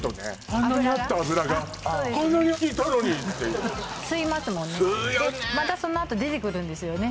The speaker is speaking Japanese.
あんなにあった油がこんなに引いたのにっていう吸いますもんね吸うよねでまたそのあと出てくるんですよね